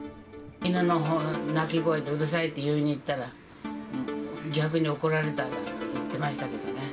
犬のほうの鳴き声がうるさいって言いに行ったら、逆に怒られたとか、言ってましたけどね。